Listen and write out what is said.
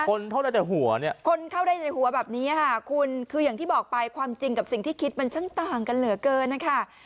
คนเท่าได้แต่หัวเนี่ยคนเข้าได้ในหัวแบบนี้ค่ะคุณคืออย่างที่บอกไปความจริงกับสิ่งที่คิดมันช่างต่างกันเหลือเกินนะคะ